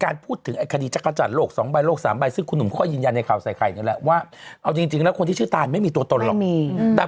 หนึ่งเขาก็ยืนยันในข่าวใส่ไข่ก็แหละว่าเอาจริงแล้วคนที่ชื่อตาลไม่มีตัวตนหรอก